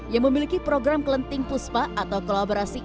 yang memiliki program kelenting puspa atau kelabarasi puspa